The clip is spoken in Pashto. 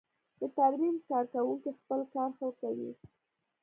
د ترمیم کارکوونکی خپل کار ښه کوي.